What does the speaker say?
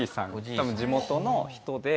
多分地元の人で。